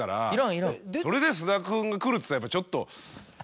それで菅田君が来るっつったらやっぱちょっと。